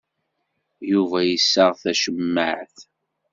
Yuba yessaɣ tacemmaɛt.